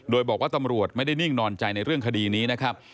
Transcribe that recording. โดยบอกว่าตำรวจไม่ได้นิ่งนอนใจในเรื่องคดีนี้นะครับ